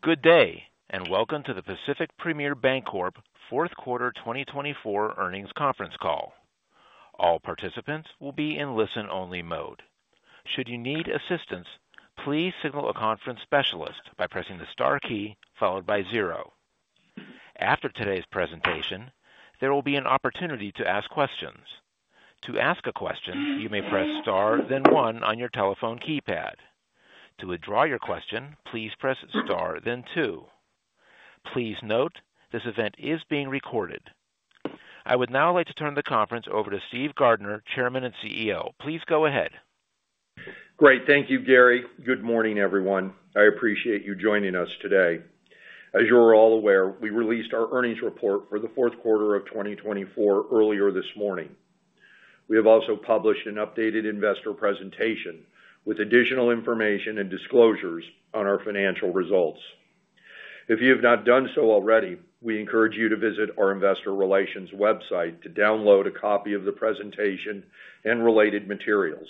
Good day, and welcome to the Pacific Premier Bancorp Fourth Quarter 2024 earnings conference call. All participants will be in listen-only mode. Should you need assistance, please signal a conference specialist by pressing the star key followed by zero. After today's presentation, there will be an opportunity to ask questions. To ask a question, you may press star, then one on your telephone keypad. To withdraw your question, please press star, then two. Please note, this event is being recorded. I would now like to turn the conference over to Steve Gardner, Chairman and CEO. Please go ahead. Great. Thank you, Gary. Good morning, everyone. I appreciate you joining us today. As you're all aware, we released our earnings report for the fourth quarter of 2024 earlier this morning. We have also published an updated investor presentation with additional information and disclosures on our financial results. If you have not done so already, we encourage you to visit our investor relations website to download a copy of the presentation and related materials.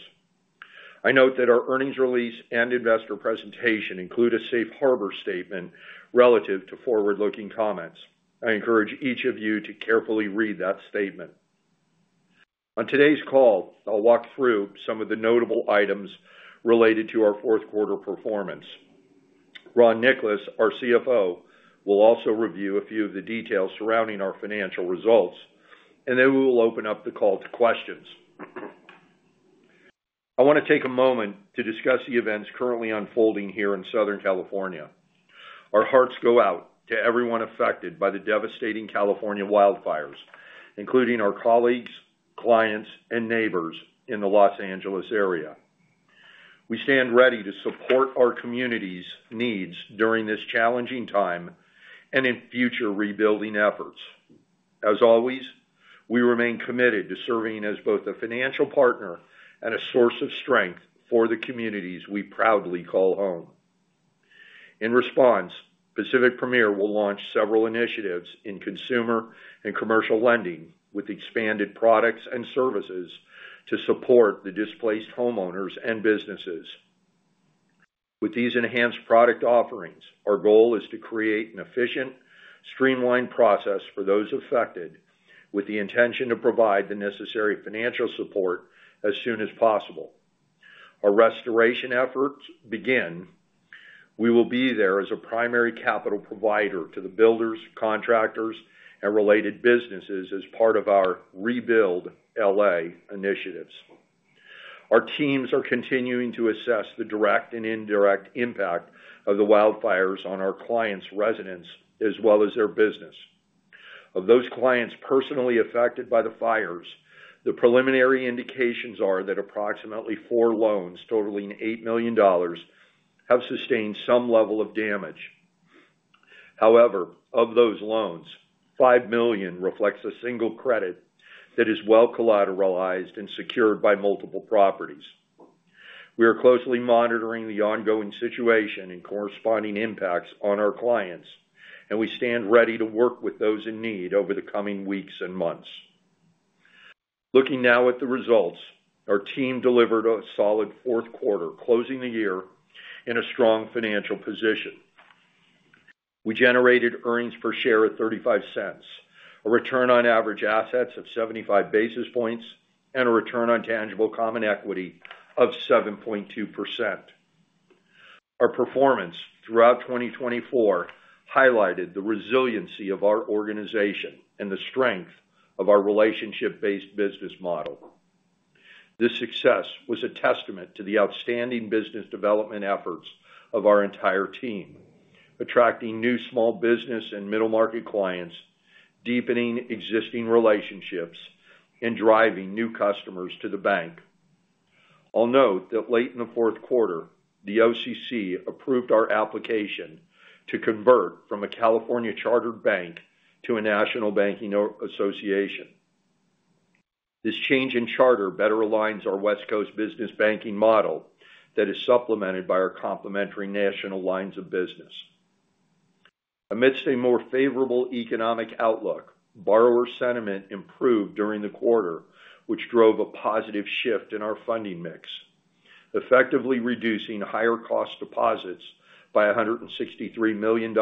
I note that our earnings release and investor presentation include a safe harbor statement relative to forward-looking comments. I encourage each of you to carefully read that statement. On today's call, I'll walk through some of the notable items related to our fourth quarter performance. Ron Nicolas, our CFO, will also review a few of the details surrounding our financial results, and then we will open up the call to questions. I want to take a moment to discuss the events currently unfolding here in Southern California. Our hearts go out to everyone affected by the devastating California wildfires, including our colleagues, clients, and neighbors in the Los Angeles area. We stand ready to support our community's needs during this challenging time and in future rebuilding efforts. As always, we remain committed to serving as both a financial partner and a source of strength for the communities we proudly call home. In response, Pacific Premier will launch several initiatives in consumer and commercial lending with expanded products and services to support the displaced homeowners and businesses. With these enhanced product offerings, our goal is to create an efficient, streamlined process for those affected with the intention to provide the necessary financial support as soon as possible. Our restoration efforts begin. We will be there as a primary capital provider to the builders, contractors, and related businesses as part of our Rebuild LA initiatives. Our teams are continuing to assess the direct and indirect impact of the wildfires on our clients' residents as well as their business. Of those clients personally affected by the fires, the preliminary indications are that approximately four loans totaling $8 million have sustained some level of damage. However, of those loans, $5 million reflects a single credit that is well collateralized and secured by multiple properties. We are closely monitoring the ongoing situation and corresponding impacts on our clients, and we stand ready to work with those in need over the coming weeks and months. Looking now at the results, our team delivered a solid fourth quarter, closing the year in a strong financial position. We generated earnings per share at $0.35, a return on average assets of 75 basis points, and a return on tangible common equity of 7.2%. Our performance throughout 2024 highlighted the resiliency of our organization and the strength of our relationship-based business model. This success was a testament to the outstanding business development efforts of our entire team, attracting new small business and middle market clients, deepening existing relationships, and driving new customers to the bank. I'll note that late in the fourth quarter, the OCC approved our application to convert from a California chartered bank to a national banking association. This change in charter better aligns our West Coast business banking model that is supplemented by our complementary national lines of business. Amidst a more favorable economic outlook, borrower sentiment improved during the quarter, which drove a positive shift in our funding mix, effectively reducing higher cost deposits by $163 million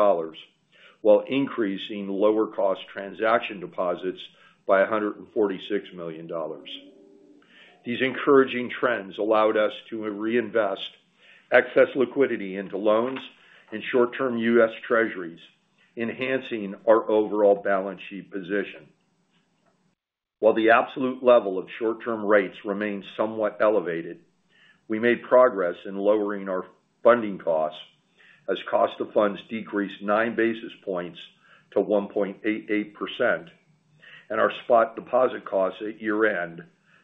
while increasing lower cost transaction deposits by $146 million. These encouraging trends allowed us to reinvest excess liquidity into loans and short-term U.S. Treasuries, enhancing our overall balance sheet position. While the absolute level of short-term rates remained somewhat elevated, we made progress in lowering our funding costs as cost of funds decreased nine basis points to 1.88%, and our spot deposit costs at year-end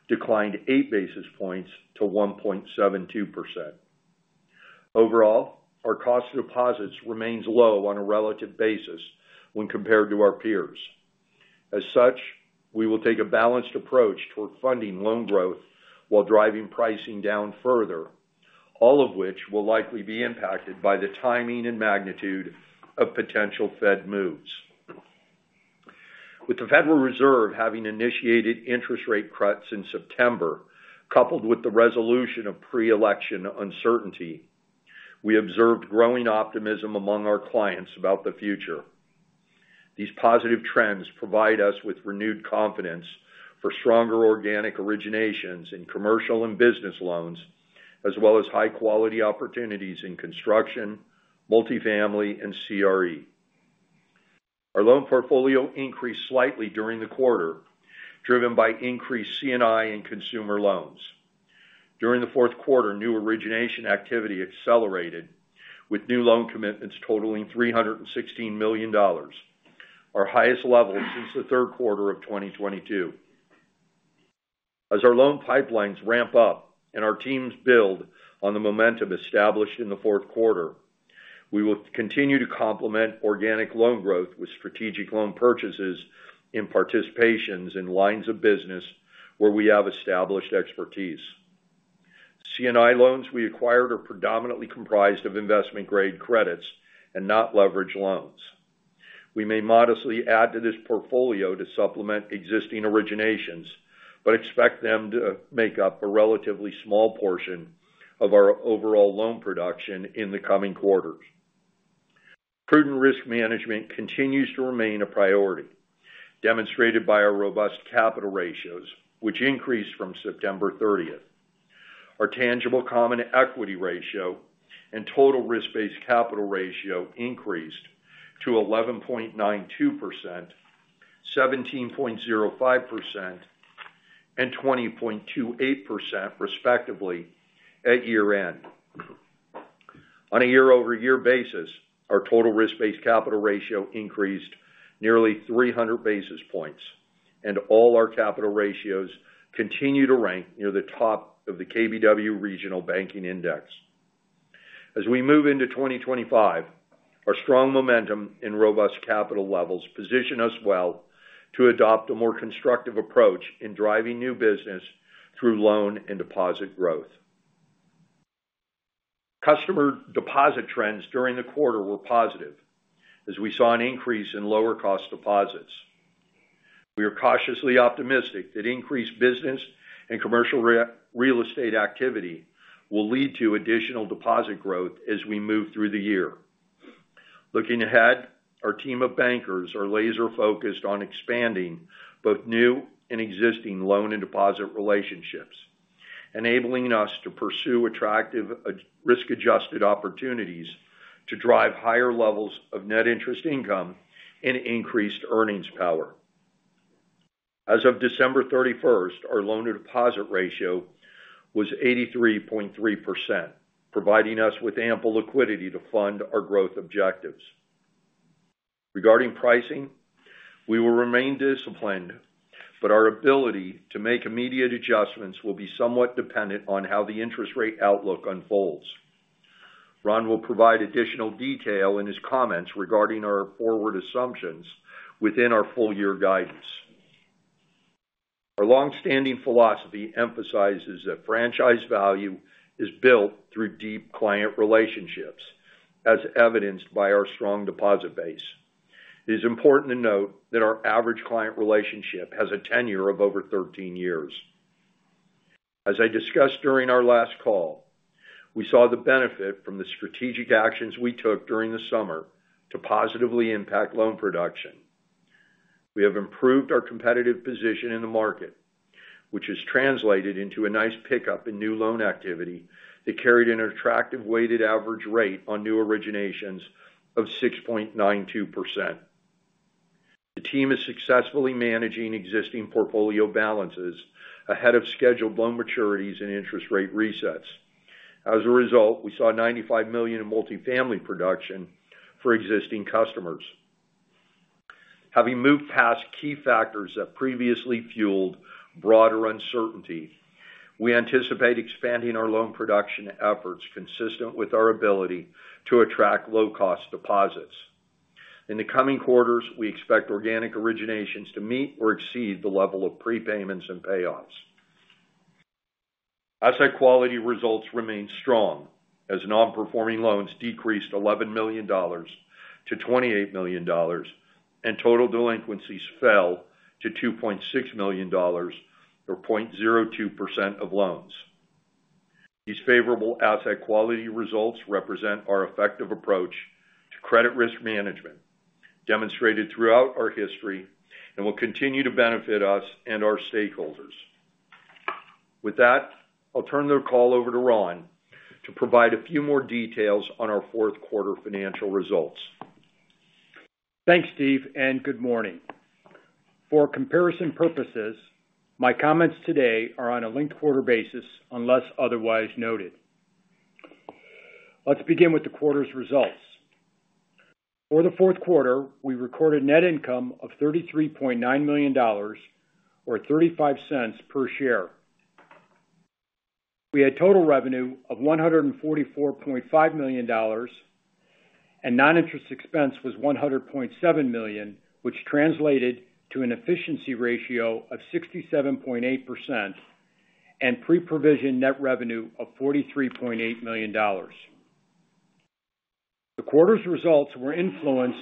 declined eight basis points to 1.72%. Overall, our cost of deposits remains low on a relative basis when compared to our peers. As such, we will take a balanced approach toward funding loan growth while driving pricing down further, all of which will likely be impacted by the timing and magnitude of potential Fed moves. With the Federal Reserve having initiated interest rate cuts in September, coupled with the resolution of pre-election uncertainty, we observed growing optimism among our clients about the future. These positive trends provide us with renewed confidence for stronger organic originations in commercial and business loans, as well as high-quality opportunities in construction, multifamily, and CRE. Our loan portfolio increased slightly during the quarter, driven by increased C&I and consumer loans. During the fourth quarter, new origination activity accelerated, with new loan commitments totaling $316 million, our highest level since the third quarter of 2022. As our loan pipelines ramp up and our teams build on the momentum established in the fourth quarter, we will continue to complement organic loan growth with strategic loan purchases and participations in lines of business where we have established expertise. C&I loans we acquired are predominantly comprised of investment-grade credits and not leveraged loans. We may modestly add to this portfolio to supplement existing originations, but expect them to make up a relatively small portion of our overall loan production in the coming quarters. Prudent risk management continues to remain a priority, demonstrated by our robust capital ratios, which increased from September 30th. Our tangible common equity ratio and total risk-based capital ratio increased to 11.92%, 17.05%, and 20.28%, respectively, at year-end. On a year-over-year basis, our total risk-based capital ratio increased nearly 300 basis points, and all our capital ratios continue to rank near the top of the KBW Regional Banking Index. As we move into 2025, our strong momentum and robust capital levels position us well to adopt a more constructive approach in driving new business through loan and deposit growth. Customer deposit trends during the quarter were positive, as we saw an increase in lower cost deposits. We are cautiously optimistic that increased business and commercial real estate activity will lead to additional deposit growth as we move through the year. Looking ahead, our team of bankers are laser-focused on expanding both new and existing loan and deposit relationships, enabling us to pursue attractive risk-adjusted opportunities to drive higher levels of net interest income and increased earnings power. As of December 31st, our loan-to-deposit ratio was 83.3%, providing us with ample liquidity to fund our growth objectives. Regarding pricing, we will remain disciplined, but our ability to make immediate adjustments will be somewhat dependent on how the interest rate outlook unfolds. Ron will provide additional detail in his comments regarding our forward assumptions within our full-year guidance. Our longstanding philosophy emphasizes that franchise value is built through deep client relationships, as evidenced by our strong deposit base. It is important to note that our average client relationship has a tenure of over 13 years. As I discussed during our last call, we saw the benefit from the strategic actions we took during the summer to positively impact loan production. We have improved our competitive position in the market, which has translated into a nice pickup in new loan activity that carried an attractive weighted average rate on new originations of 6.92%. The team is successfully managing existing portfolio balances ahead of scheduled loan maturities and interest rate resets. As a result, we saw $95 million in multifamily production for existing customers. Having moved past key factors that previously fueled broader uncertainty, we anticipate expanding our loan production efforts consistent with our ability to attract low-cost deposits. In the coming quarters, we expect organic originations to meet or exceed the level of prepayments and payoffs. Asset quality results remain strong as non-performing loans decreased $11 million to $28 million, and total delinquencies fell to $2.6 million or 0.02% of loans. These favorable asset quality results represent our effective approach to credit risk management, demonstrated throughout our history, and will continue to benefit us and our stakeholders. With that, I'll turn the call over to Ron to provide a few more details on our fourth quarter financial results. Thanks, Steve, and good morning. For comparison purposes, my comments today are on a linked quarter basis unless otherwise noted. Let's begin with the quarter's results. For the fourth quarter, we recorded net income of $33.9 million or $0.35 per share. We had total revenue of $144.5 million, and non-interest expense was $100.7 million, which translated to an efficiency ratio of 67.8% and pre-provision net revenue of $43.8 million. The quarter's results were influenced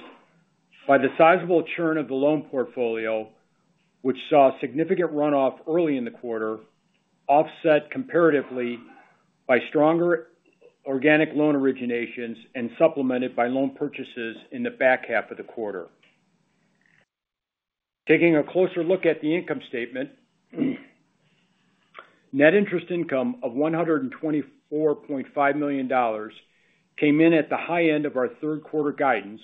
by the sizable churn of the loan portfolio, which saw significant runoff early in the quarter, offset comparatively by stronger organic loan originations and supplemented by loan purchases in the back half of the quarter. Taking a closer look at the income statement, net interest income of $124.5 million came in at the high end of our third quarter guidance,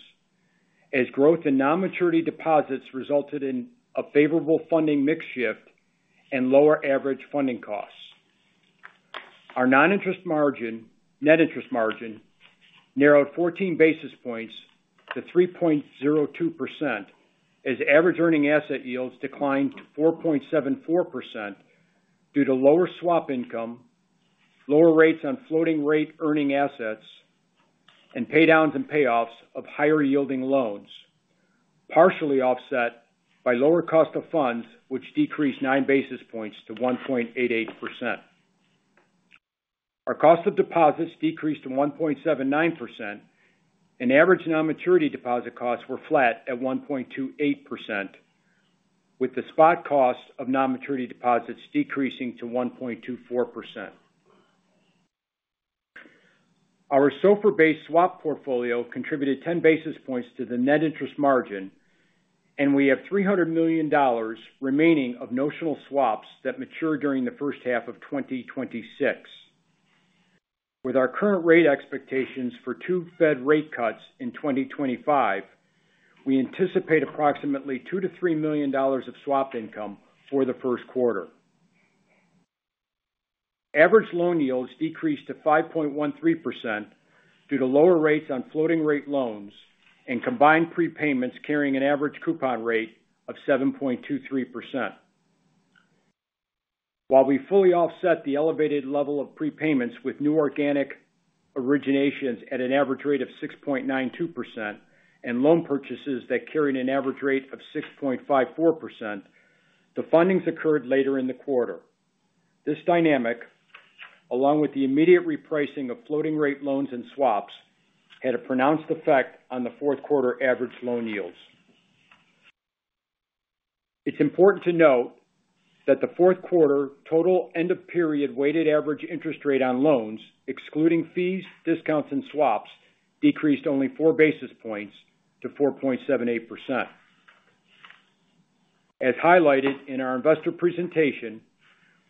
as growth in non-maturity deposits resulted in a favorable funding mix shift and lower average funding costs. Our net interest margin narrowed 14 basis points to 3.02% as average earning asset yields declined to 4.74% due to lower swap income, lower rates on floating-rate earning assets, and paydowns and payoffs of higher-yielding loans, partially offset by lower cost of funds, which decreased nine basis points to 1.88%. Our cost of deposits decreased to 1.79%, and average non-maturity deposit costs were flat at 1.28%, with the spot cost of non-maturity deposits decreasing to 1.24%. Our SOFR-based swap portfolio contributed 10 basis points to the net interest margin, and we have $300 million remaining of notional swaps that mature during the first half of 2026. With our current rate expectations for two Fed rate cuts in 2025, we anticipate approximately $2-$3 million of swap income for the first quarter. Average loan yields decreased to 5.13% due to lower rates on floating-rate loans and combined prepayments carrying an average coupon rate of 7.23%. While we fully offset the elevated level of prepayments with new organic originations at an average rate of 6.92% and loan purchases that carried an average rate of 6.54%, the fundings occurred later in the quarter. This dynamic, along with the immediate repricing of floating-rate loans and swaps, had a pronounced effect on the fourth quarter average loan yields. It's important to note that the fourth quarter total end-of-period weighted average interest rate on loans, excluding fees, discounts, and swaps, decreased only four basis points to 4.78%. As highlighted in our investor presentation,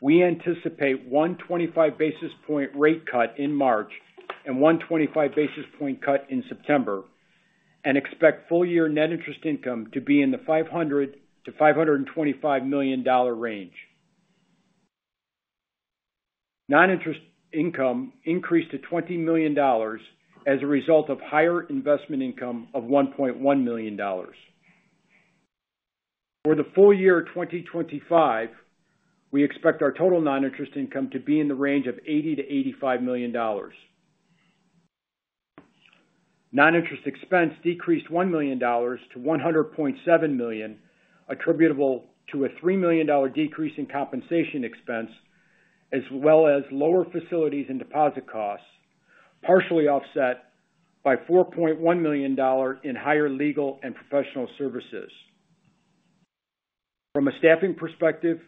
we anticipate one 25 basis point rate cut in March and one 25 basis point cut in September, and expect full-year net interest income to be in the $500-$525 million range. Non-interest income increased to $20 million as a result of higher investment income of $1.1 million. For the full year of 2025, we expect our total non-interest income to be in the range of $80-$85 million. Non-interest expense decreased $1 million to $100.7 million, attributable to a $3 million decrease in compensation expense, as well as lower facilities and deposit costs, partially offset by $4.1 million in higher legal and professional services. From a staffing perspective,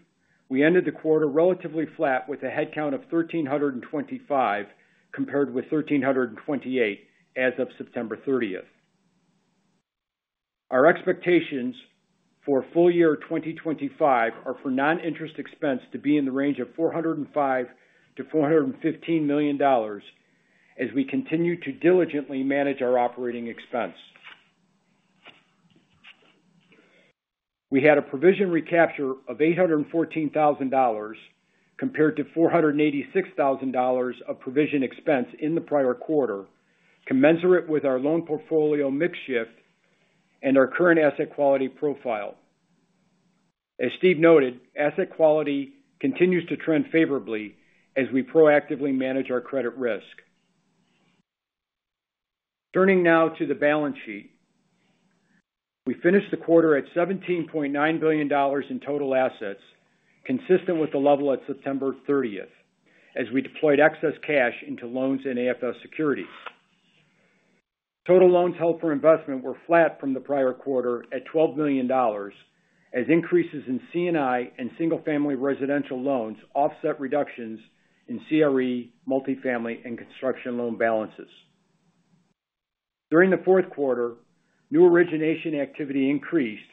we ended the quarter relatively flat with a headcount of 1,325 compared with 1,328 as of September 30th. Our expectations for full year 2025 are for non-interest expense to be in the range of $405-$415 million as we continue to diligently manage our operating expense. We had a provision recapture of $814,000 compared to $486,000 of provision expense in the prior quarter, commensurate with our loan portfolio mix shift and our current asset quality profile. As Steve noted, asset quality continues to trend favorably as we proactively manage our credit risk. Turning now to the balance sheet, we finished the quarter at $17.9 billion in total assets, consistent with the level at September 30th, as we deployed excess cash into loans and AFS securities. Total loans held for investment were flat from the prior quarter at $12 million, as increases in C&I and single-family residential loans offset reductions in CRE, multifamily, and construction loan balances. During the fourth quarter, new origination activity increased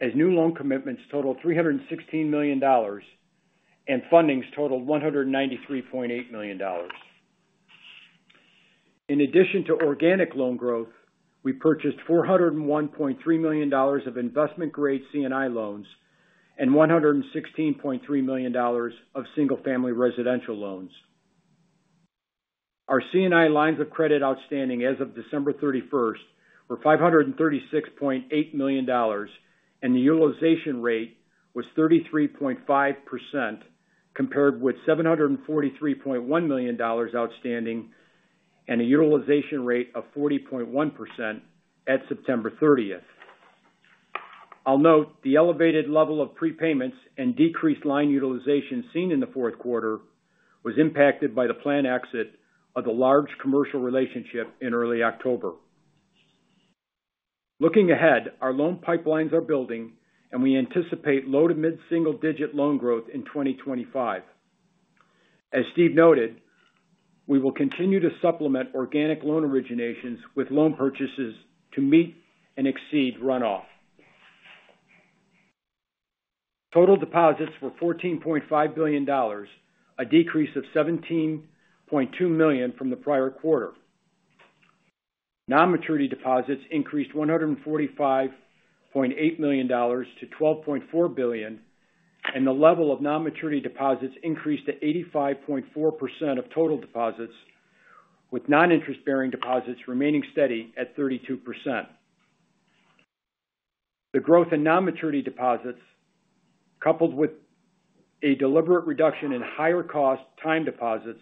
as new loan commitments totaled $316 million and fundings totaled $193.8 million. In addition to organic loan growth, we purchased $401.3 million of investment-grade C&I loans and $116.3 million of single-family residential loans. Our C&I lines of credit outstanding as of December 31st were $536.8 million, and the utilization rate was 33.5% compared with $743.1 million outstanding and a utilization rate of 40.1% at September 30th. I'll note the elevated level of prepayments and decreased line utilization seen in the fourth quarter was impacted by the planned exit of the large commercial relationship in early October. Looking ahead, our loan pipelines are building, and we anticipate low to mid-single-digit loan growth in 2025. As Steve noted, we will continue to supplement organic loan originations with loan purchases to meet and exceed runoff. Total deposits were $14.5 billion, a decrease of $17.2 million from the prior quarter. Non-maturity deposits increased $145.8 million to $12.4 billion, and the level of non-maturity deposits increased to 85.4% of total deposits, with non-interest-bearing deposits remaining steady at 32%. The growth in non-maturity deposits, coupled with a deliberate reduction in higher-cost time deposits,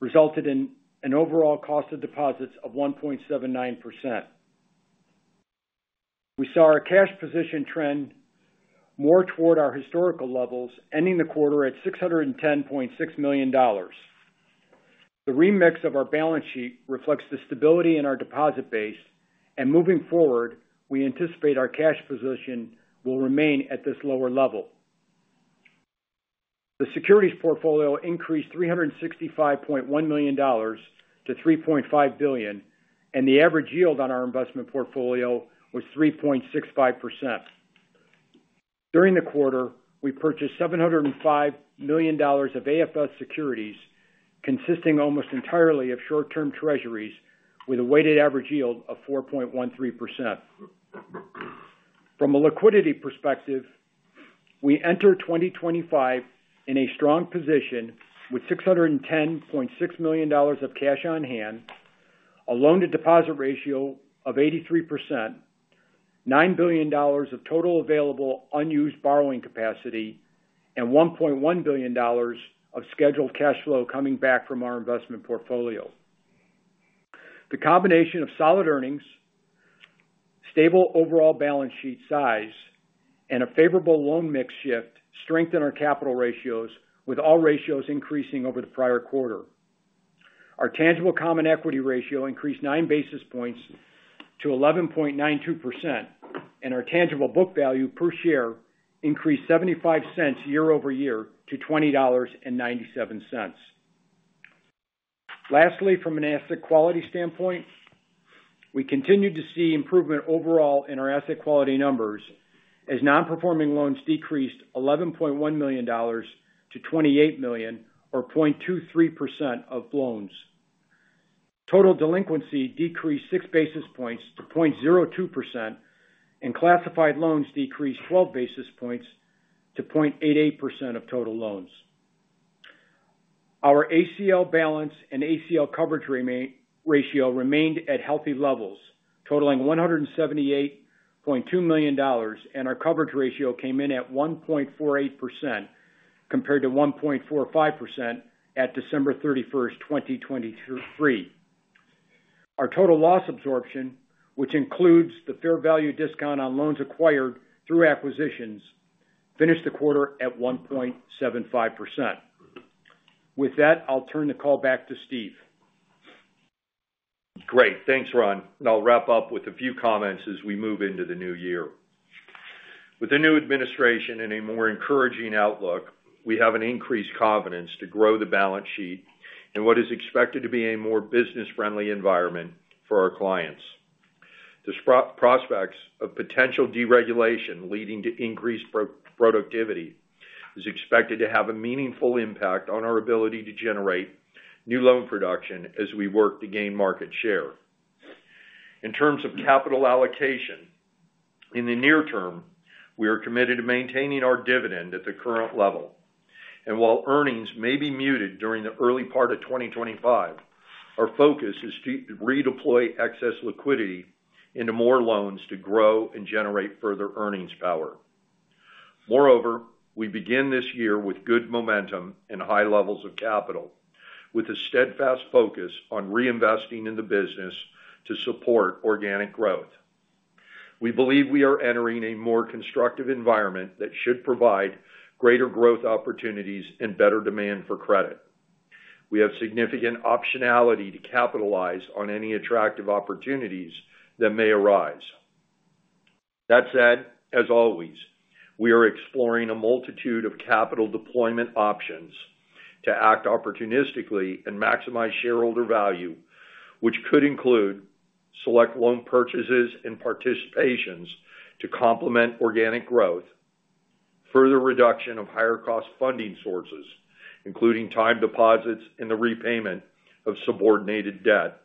resulted in an overall cost of deposits of 1.79%. We saw our cash position trend more toward our historical levels, ending the quarter at $610.6 million. The remix of our balance sheet reflects the stability in our deposit base, and moving forward, we anticipate our cash position will remain at this lower level. The securities portfolio increased $365.1 million to $3.5 billion, and the average yield on our investment portfolio was 3.65%. During the quarter, we purchased $705 million of AFS securities, consisting almost entirely of short-term treasuries, with a weighted average yield of 4.13%. From a liquidity perspective, we enter 2025 in a strong position with $610.6 million of cash on hand, a loan-to-deposit ratio of 83%, $9 billion of total available unused borrowing capacity, and $1.1 billion of scheduled cash flow coming back from our investment portfolio. The combination of solid earnings, stable overall balance sheet size, and a favorable loan mix shift strengthened our capital ratios, with all ratios increasing over the prior quarter. Our tangible common equity ratio increased nine basis points to 11.92%, and our tangible book value per share increased $0.75 year over year to $20.97. Lastly, from an asset quality standpoint, we continued to see improvement overall in our asset quality numbers as non-performing loans decreased $11.1 million to $28 million, or 0.23% of loans. Total delinquency decreased six basis points to 0.02%, and classified loans decreased 12 basis points to 0.88% of total loans. Our ACL balance and ACL coverage ratio remained at healthy levels, totaling $178.2 million, and our coverage ratio came in at 1.48% compared to 1.45% at December 31st, 2023. Our total loss absorption, which includes the fair value discount on loans acquired through acquisitions, finished the quarter at 1.75%. With that, I'll turn the call back to Steve. Great. Thanks, Ron. And I'll wrap up with a few comments as we move into the new year. With a new administration and a more encouraging outlook, we have an increased confidence to grow the balance sheet in what is expected to be a more business-friendly environment for our clients. The prospects of potential deregulation leading to increased productivity are expected to have a meaningful impact on our ability to generate new loan production as we work to gain market share. In terms of capital allocation, in the near term, we are committed to maintaining our dividend at the current level. And while earnings may be muted during the early part of 2025, our focus is to redeploy excess liquidity into more loans to grow and generate further earnings power. Moreover, we begin this year with good momentum and high levels of capital, with a steadfast focus on reinvesting in the business to support organic growth. We believe we are entering a more constructive environment that should provide greater growth opportunities and better demand for credit. We have significant optionality to capitalize on any attractive opportunities that may arise. That said, as always, we are exploring a multitude of capital deployment options to act opportunistically and maximize shareholder value, which could include select loan purchases and participations to complement organic growth, further reduction of higher-cost funding sources, including time deposits and the repayment of subordinated debt,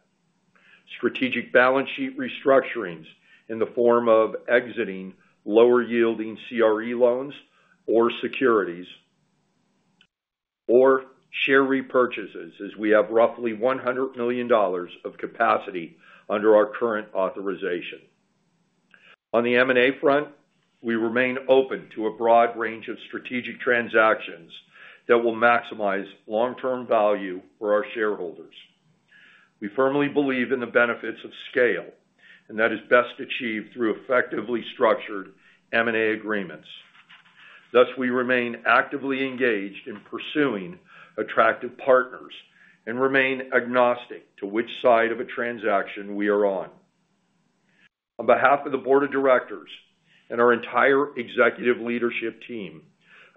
strategic balance sheet restructurings in the form of exiting lower-yielding CRE loans or securities, or share repurchases as we have roughly $100 million of capacity under our current authorization. On the M&A front, we remain open to a broad range of strategic transactions that will maximize long-term value for our shareholders. We firmly believe in the benefits of scale, and that is best achieved through effectively structured M&A agreements. Thus, we remain actively engaged in pursuing attractive partners and remain agnostic to which side of a transaction we are on. On behalf of the Board of Directors and our entire executive leadership team,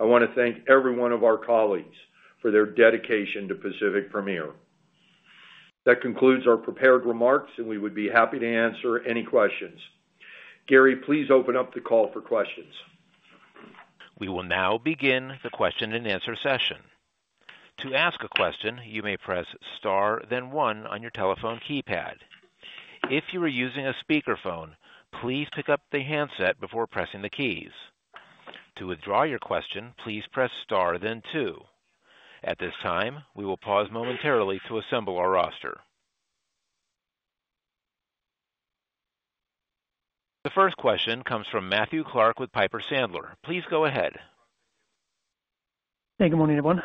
I want to thank every one of our colleagues for their dedication to Pacific Premier. That concludes our prepared remarks, and we would be happy to answer any questions. Gary, please open up the call for questions. We will now begin the question-and-answer session. To ask a question, you may press star, then one on your telephone keypad. If you are using a speakerphone, please pick up the handset before pressing the keys. To withdraw your question, please press star, then two. At this time, we will pause momentarily to assemble our roster. The first question comes from Matthew Clark with Piper Sandler. Please go ahead. Hey, good morning, everyone.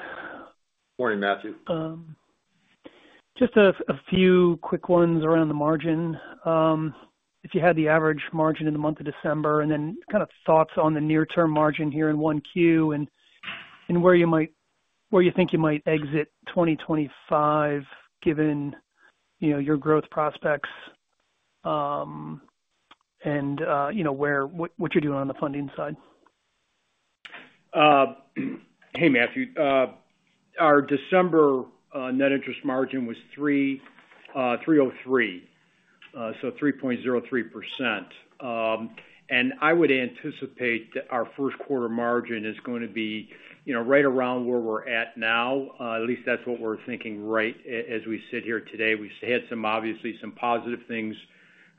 Morning, Matthew. Just a few quick ones around the margin. If you had the average margin in the month of December and then kind of thoughts on the near-term margin here in 1Q and where you think you might exit 2025 given your growth prospects and what you're doing on the funding side? Hey, Matthew. Our December net interest margin was 303, so 3.03%. And I would anticipate that our first quarter margin is going to be right around where we're at now. At least that's what we're thinking right as we sit here today. We've had, obviously, some positive things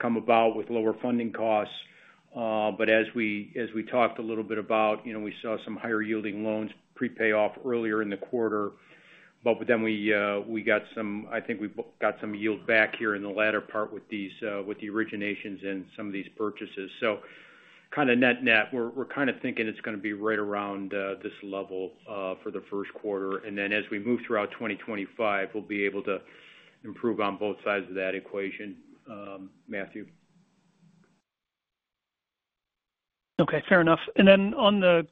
come about with lower funding costs. But as we talked a little bit about, we saw some higher-yielding loans prepay off earlier in the quarter. But then I think we got some yield back here in the latter part with the originations and some of these purchases. So kind of net-net, we're kind of thinking it's going to be right around this level for the first quarter. And then as we move throughout 2025, we'll be able to improve on both sides of that equation, Matthew. Okay. Fair enough. And then on the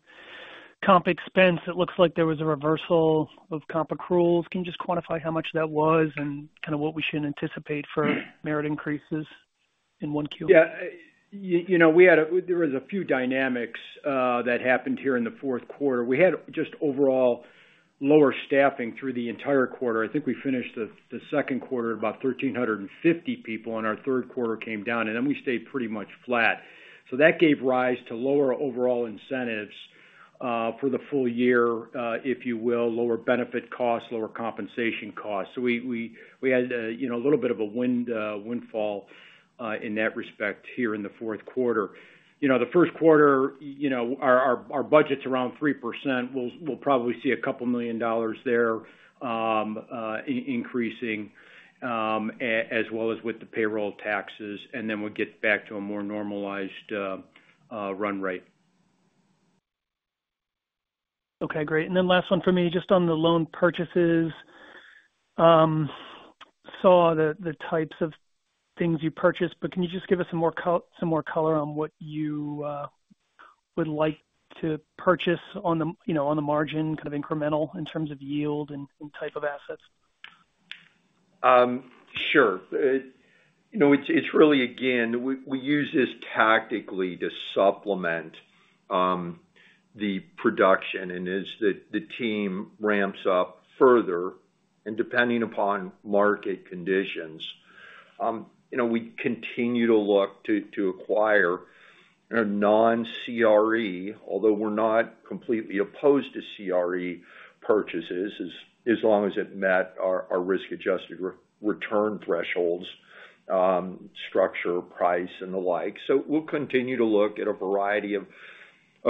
comp expense, it looks like there was a reversal of comp accruals. Can you just quantify how much that was and kind of what we should anticipate for merit increases in 1Q? Yeah. There were a few dynamics that happened here in the fourth quarter. We had just overall lower staffing through the entire quarter. I think we finished the second quarter at about 1,350 people, and our third quarter came down, and then we stayed pretty much flat. So that gave rise to lower overall incentives for the full year, if you will, lower benefit costs, lower compensation costs. So we had a little bit of a windfall in that respect here in the fourth quarter. The first quarter, our budget's around 3%. We'll probably see $2 million there increasing, as well as with the payroll taxes, and then we'll get back to a more normalized run rate. Okay. Great. And then last one for me, just on the loan purchases. Saw the types of things you purchased, but can you just give us some more color on what you would like to purchase on the margin, kind of incremental in terms of yield and type of assets? Sure. It's really, again, we use this tactically to supplement the production, and as the team ramps up further and depending upon market conditions, we continue to look to acquire non-CRE, although we're not completely opposed to CRE purchases as long as it met our risk-adjusted return thresholds, structure, price, and the like, so we'll continue to look at a variety of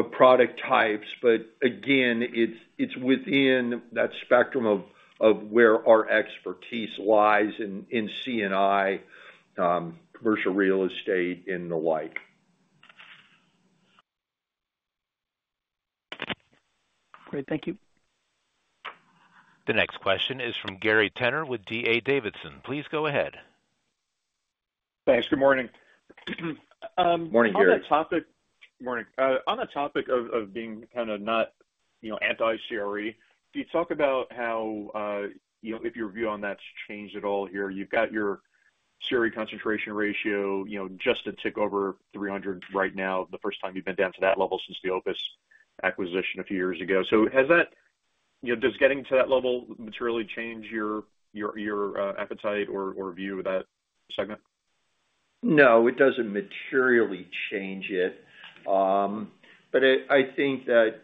product types, but again, it's within that spectrum of where our expertise lies in C&I, commercial real estate, and the like. Great. Thank you. The next question is from Gary Tenner with D.A. Davidson. Please go ahead. Thanks. Good morning. Morning, Gary. On the topic of being kind of not anti-CRE, can you talk about how your view on that has changed at all here? You've got your CRE concentration ratio just a tick over 300 right now, the first time you've been down to that level since the Opus acquisition a few years ago. So does getting to that level materially change your appetite or view of that segment? No, it doesn't materially change it, but I think that,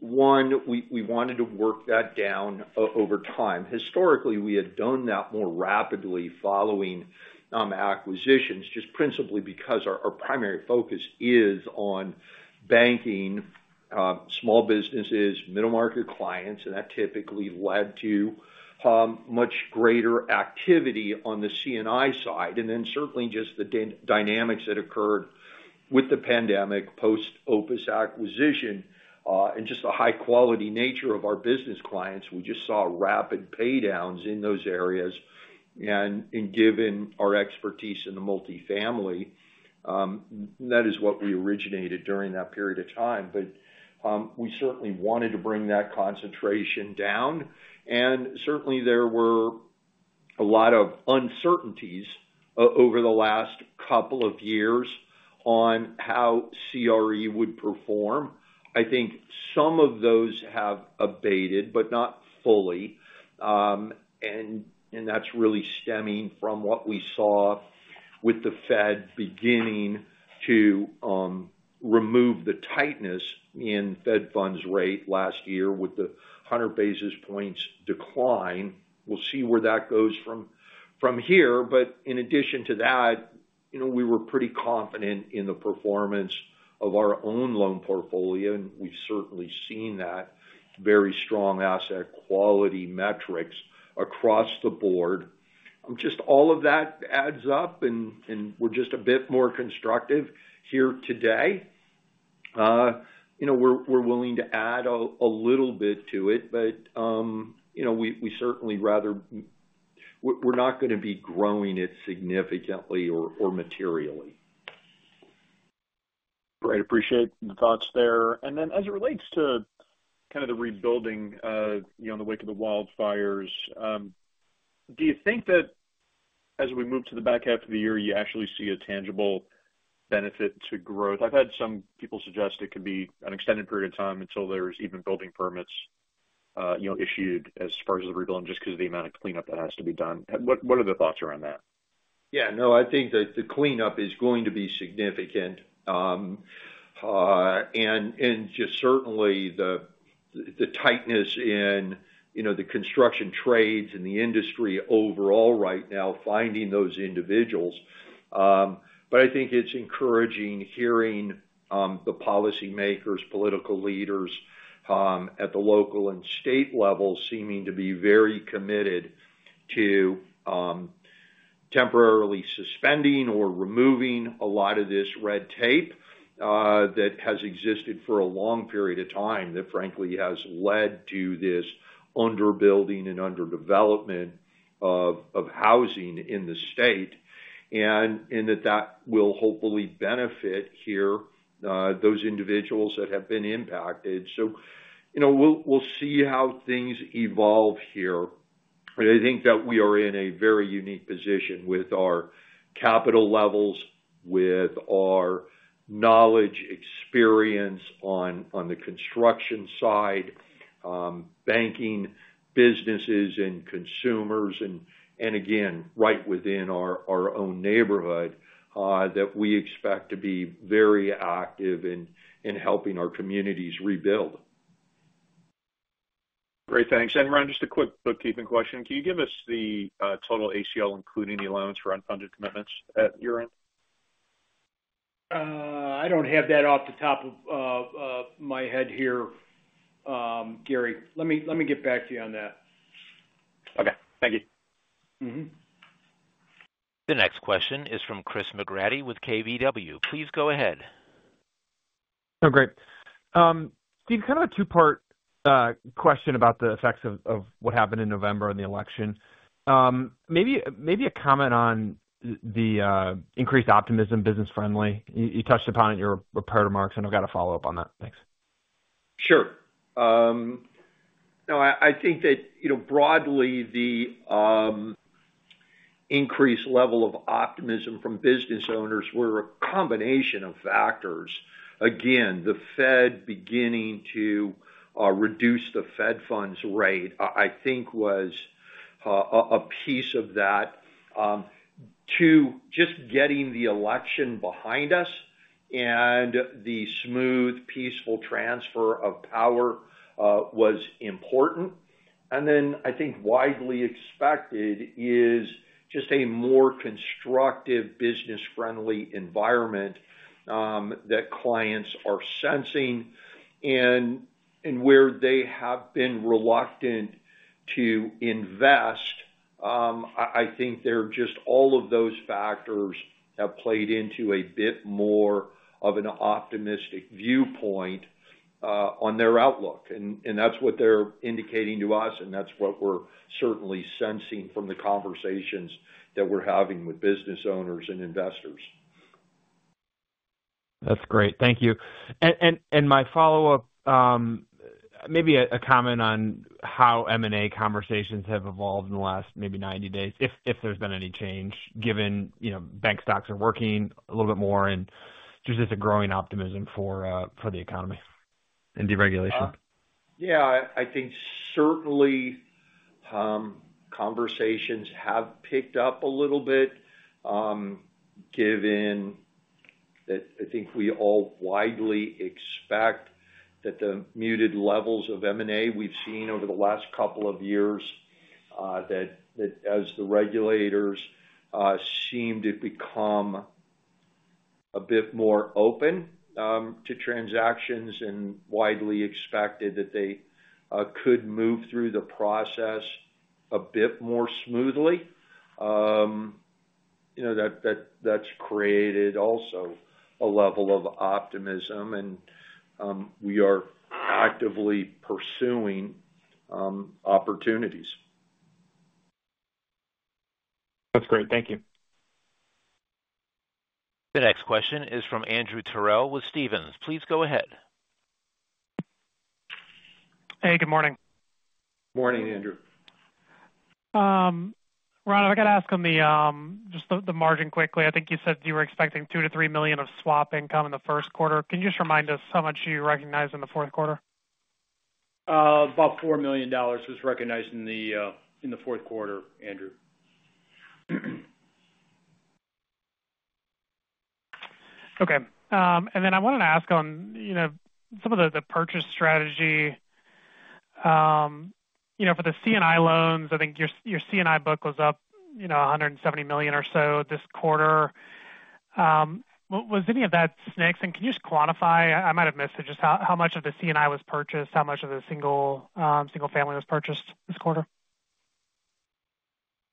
one, we wanted to work that down over time. Historically, we had done that more rapidly following acquisitions, just principally because our primary focus is on banking, small businesses, middle-market clients, and that typically led to much greater activity on the C&I side, and then certainly just the dynamics that occurred with the pandemic post-Opus acquisition and just the high-quality nature of our business clients. We just saw rapid paydowns in those areas. And given our expertise in the multifamily, that is what we originated during that period of time. But we certainly wanted to bring that concentration down. And certainly, there were a lot of uncertainties over the last couple of years on how CRE would perform. I think some of those have abated, but not fully. And that's really stemming from what we saw with the Fed beginning to remove the tightness in Fed funds rate last year with the 100 basis points decline. We'll see where that goes from here. But in addition to that, we were pretty confident in the performance of our own loan portfolio. And we've certainly seen that very strong asset quality metrics across the board. Just all of that adds up, and we're just a bit more constructive here today. We're willing to add a little bit to it, but we certainly rather, we're not going to be growing it significantly or materially. Great. Appreciate the thoughts there. And then as it relates to kind of the rebuilding in the wake of the wildfires, do you think that as we move to the back half of the year, you actually see a tangible benefit to growth? I've had some people suggest it could be an extended period of time until there's even building permits issued as far as the rebuilding, just because of the amount of cleanup that has to be done. What are the thoughts around that? Yeah. No, I think that the cleanup is going to be significant. And just certainly the tightness in the construction trades and the industry overall right now, finding those individuals. But I think it's encouraging hearing the policymakers, political leaders at the local and state level seeming to be very committed to temporarily suspending or removing a lot of this red tape that has existed for a long period of time that, frankly, has led to this underbuilding and underdevelopment of housing in the state. And that that will hopefully benefit here those individuals that have been impacted. So we'll see how things evolve here. But I think that we are in a very unique position with our capital levels, with our knowledge, experience on the construction side, banking businesses, and consumers, and again, right within our own neighborhood that we expect to be very active in helping our communities rebuild. Great. Thanks. And Ron, just a quick bookkeeping question. Can you give us the total ACL, including the allowance for unfunded commitments at your end? I don't have that off the top of my head here, Gary. Let me get back to you on that. Okay. Thank you. The next question is from Chris McGraty with KBW. Please go ahead. Oh, great. Steve, kind of a two-part question about the effects of what happened in November and the election. Maybe a comment on the increased optimism, business-friendly. You touched upon it in your prepared remarks, and I've got to follow up on that. Thanks. Sure. No, I think that broadly, the increased level of optimism from business owners were a combination of factors. Again, the Fed beginning to reduce the Fed funds rate, I think, was a piece of that. Two, just getting the election behind us and the smooth, peaceful transfer of power was important. And then I think widely expected is just a more constructive, business-friendly environment that clients are sensing. And where they have been reluctant to invest, I think just all of those factors have played into a bit more of an optimistic viewpoint on their outlook. And that's what they're indicating to us, and that's what we're certainly sensing from the conversations that we're having with business owners and investors. That's great. Thank you. And my follow-up, maybe a comment on how M&A conversations have evolved in the last maybe 90 days, if there's been any change, given bank stocks are working a little bit more and there's just a growing optimism for the economy and deregulation. Yeah. I think certainly conversations have picked up a little bit, given that I think we all widely expect that the muted levels of M&A we've seen over the last couple of years, that as the regulators seem to become a bit more open to transactions and widely expected that they could move through the process a bit more smoothly. That's created also a level of optimism. And we are actively pursuing opportunities. That's great. Thank you. The next question is from Andrew Terrell with Stephens. Please go ahead. Hey, good morning. Morning, Andrew. Ron, I've got to ask on the margin quickly. I think you said you were expecting $2 million-$3 million of swap income in the first quarter. Can you just remind us how much you recognized in the fourth quarter? About $4 million was recognized in the fourth quarter, Andrew. Okay. And then I wanted to ask on some of the purchase strategy. For the C&I loans, I think your C&I book was up $170 million or so this quarter. Was any of that SNCs? And can you just quantify? I might have missed it. Just how much of the C&I was purchased? How much of the single-family was purchased this quarter?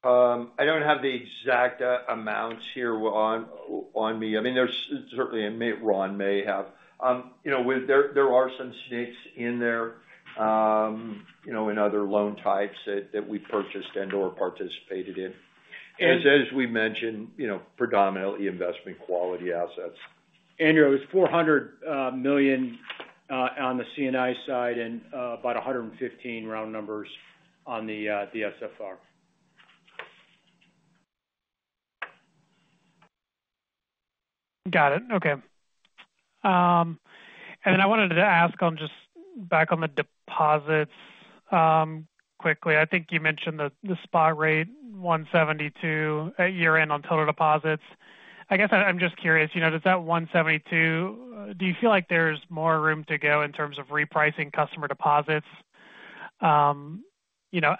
I don't have the exact amounts here on me. I mean, certainly, Ron may have. There are some SNCs in there in other loan types that we purchased and/or participated in. As we mentioned, predominantly investment-quality assets. Andrew, it was $400 million on the C&I side and about 115, round numbers, on the SFR. Got it. Okay. And then I wanted to ask just back on the deposits quickly. I think you mentioned the spot rate, 172 year-end on total deposits. I guess I'm just curious, does that 172, do you feel like there's more room to go in terms of repricing customer deposits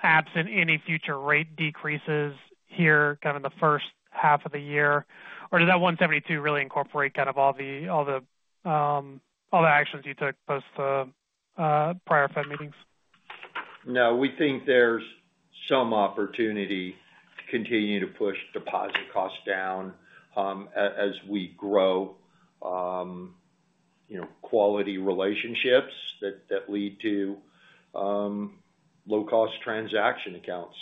absent any future rate decreases here kind of in the first half of the year? Or does that 172 really incorporate kind of all the actions you took post the prior Fed meetings? No, we think there's some opportunity to continue to push deposit costs down as we grow quality relationships that lead to low-cost transaction accounts.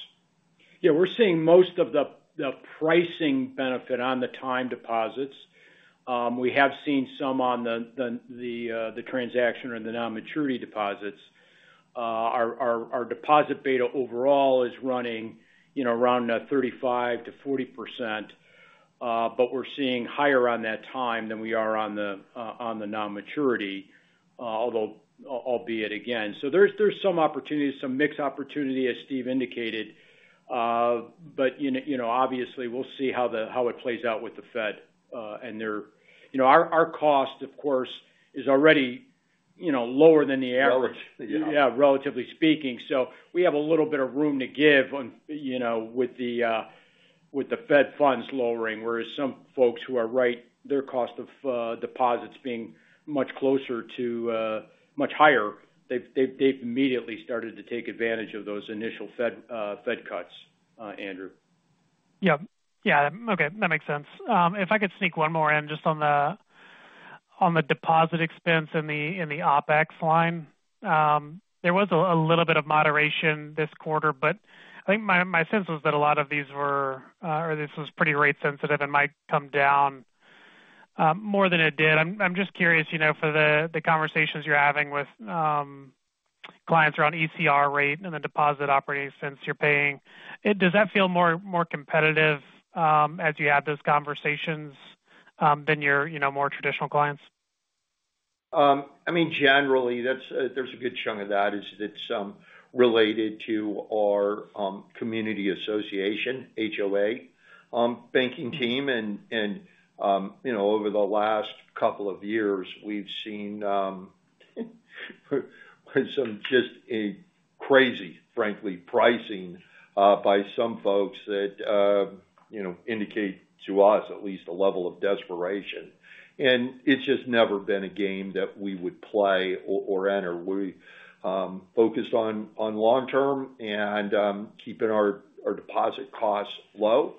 Yeah. We're seeing most of the pricing benefit on the time deposits. We have seen some on the transaction or the non-maturity deposits. Our deposit beta overall is running around 35%-40%, but we're seeing higher on that time than we are on the non-maturity, albeit again. So there's some opportunity, some mixed opportunity, as Steve indicated. But obviously, we'll see how it plays out with the Fed. And our cost, of course, is already lower than the average. Lower. Yeah. Yeah, relatively speaking, so we have a little bit of room to give with the Fed funds lowering, whereas some folks who are right, their cost of deposits being much closer to much higher, they've immediately started to take advantage of those initial Fed cuts, Andrew. Yeah. Yeah. Okay. That makes sense. If I could sneak one more in just on the deposit expense in the OPEX line, there was a little bit of moderation this quarter. But I think my sense was that a lot of these were or this was pretty rate-sensitive and might come down more than it did. I'm just curious for the conversations you're having with clients around ECR rate and the deposit operating expense you're paying. Does that feel more competitive as you have those conversations than your more traditional clients? I mean, generally, there's a good chunk of that. It's related to our community association, HOA, banking team. And over the last couple of years, we've seen some just crazy, frankly, pricing by some folks that indicate to us at least a level of desperation. And it's just never been a game that we would play or enter. We focused on long-term and keeping our deposit costs low,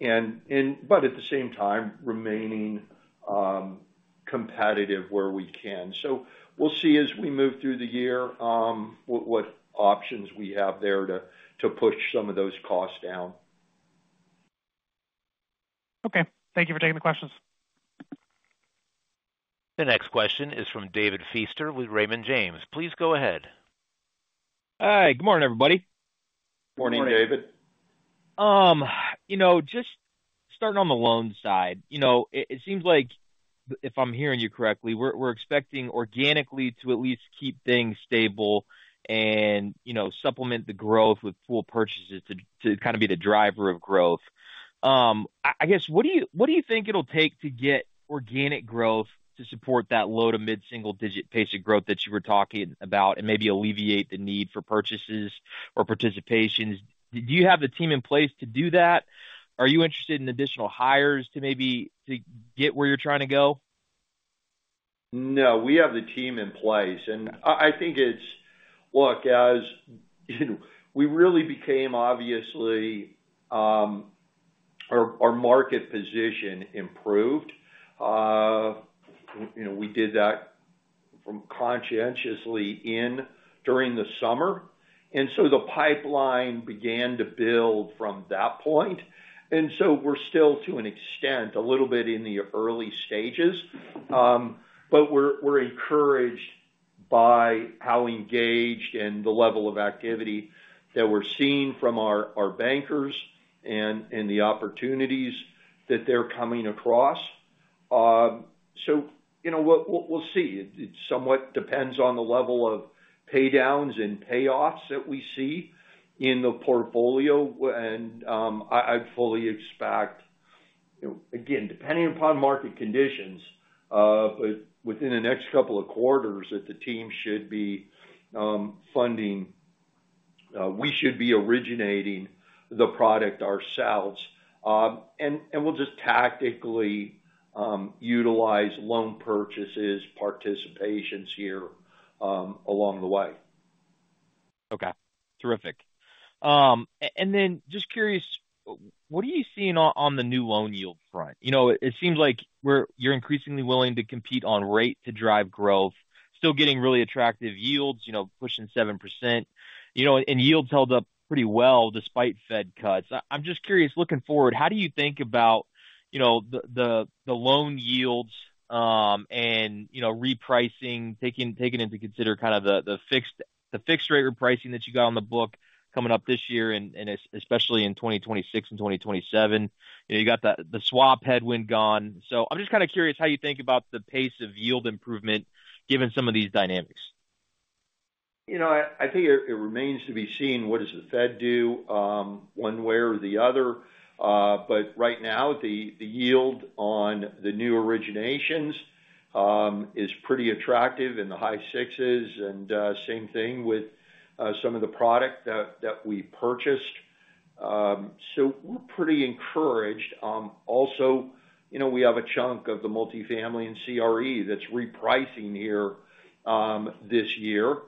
but at the same time, remaining competitive where we can. So we'll see as we move through the year what options we have there to push some of those costs down. Okay. Thank you for taking the questions. The next question is from David Feaster with Raymond James. Please go ahead. Hi. Good morning, everybody. Morning, David. Morning. Just starting on the loan side, it seems like, if I'm hearing you correctly, we're expecting organically to at least keep things stable and supplement the growth with pool purchases to kind of be the driver of growth. I guess, what do you think it'll take to get organic growth to support that low to mid-single-digit pacing growth that you were talking about and maybe alleviate the need for purchases or participations? Do you have the team in place to do that? Are you interested in additional hires to maybe get where you're trying to go? No. We have the team in place, and I think it's, look, as we really became, obviously, our market position improved. We did that conscientiously during the summer, and so the pipeline began to build from that point, and so we're still, to an extent, a little bit in the early stages. But we're encouraged by how engaged and the level of activity that we're seeing from our bankers and the opportunities that they're coming across, so we'll see. It somewhat depends on the level of paydowns and payoffs that we see in the portfolio, and I'd fully expect, again, depending upon market conditions, but within the next couple of quarters that the team should be funding, we should be originating the product ourselves, and we'll just tactically utilize loan purchases, participations here along the way. Okay. Terrific. And then just curious, what are you seeing on the new loan yield front? It seems like you're increasingly willing to compete on rate to drive growth, still getting really attractive yields, pushing 7%. And yields held up pretty well despite Fed cuts. I'm just curious, looking forward, how do you think about the loan yields and repricing, taking into consideration kind of the fixed-rate repricing that you got on the book coming up this year, and especially in 2026 and 2027? You got the swap headwind gone. So I'm just kind of curious how you think about the pace of yield improvement given some of these dynamics. I think it remains to be seen what does the Fed do one way or the other, but right now, the yield on the new originations is pretty attractive in the high 6s, and same thing with some of the product that we purchased, so we're pretty encouraged. Also, we have a chunk of the multifamily and CRE that's repricing here this year,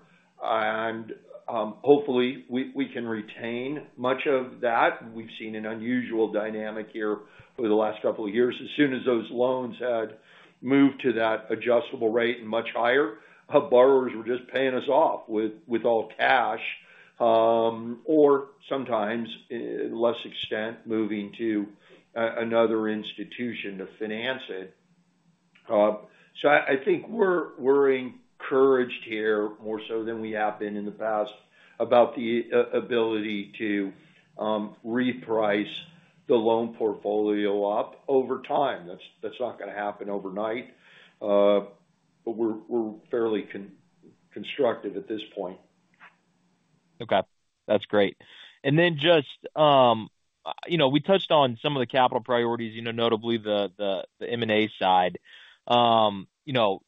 and hopefully, we can retain much of that. We've seen an unusual dynamic here for the last couple of years. As soon as those loans had moved to that adjustable rate and much higher, borrowers were just paying us off with all cash or sometimes, in less extent, moving to another institution to finance it, so I think we're encouraged here more so than we have been in the past about the ability to reprice the loan portfolio up over time. That's not going to happen overnight. But we're fairly constructive at this point. Okay. That's great. And then just we touched on some of the capital priorities, notably the M&A side. Just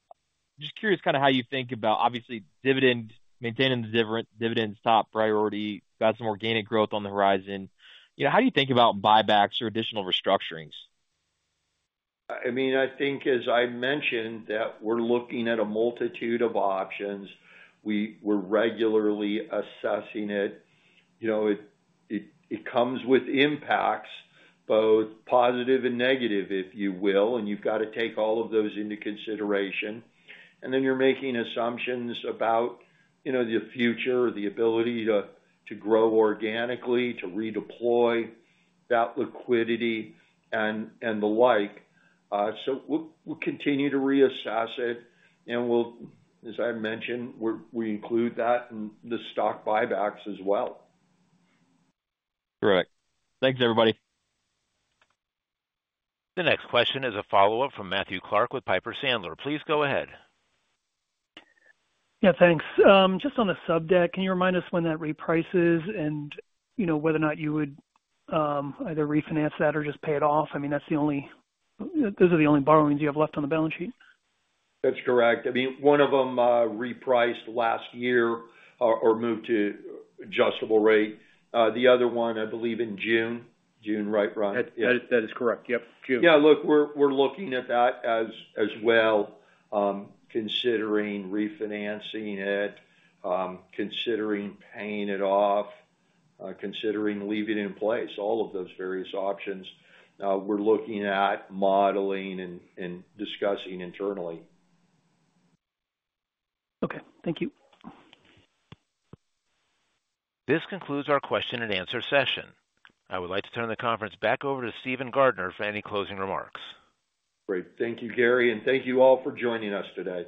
curious kind of how you think about, obviously, maintaining the dividend's top priority, got some organic growth on the horizon. How do you think about buybacks or additional restructurings? I mean, I think, as I mentioned, that we're looking at a multitude of options. We're regularly assessing it. It comes with impacts, both positive and negative, if you will. And you've got to take all of those into consideration. And then you're making assumptions about the future, the ability to grow organically, to redeploy that liquidity and the like. So we'll continue to reassess it. And as I mentioned, we include that in the stock buybacks as well. Correct. Thanks, everybody. The next question is a follow-up from Matthew Clark with Piper Sandler. Please go ahead. Yeah. Thanks. Just on the sub debt, can you remind us when that reprices and whether or not you would either refinance that or just pay it off? I mean, those are the only borrowings you have left on the balance sheet. That's correct. I mean, one of them repriced last year or moved to adjustable rate. The other one, I believe, in June. June, right, Ron? That is correct. Yep. June. Yeah. Look, we're looking at that as well, considering refinancing it, considering paying it off, considering leaving it in place, all of those various options. We're looking at modeling and discussing internally. Okay. Thank you. This concludes our question-and-answer session. I would like to turn the conference back over to Steven Gardner for any closing remarks. Great. Thank you, Gary, and thank you all for joining us today.